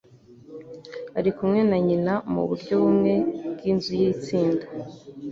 Ari kumwe na nyina muburyo bumwe bwinzu yitsinda.